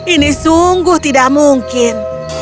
ini sungguh tidak mungkin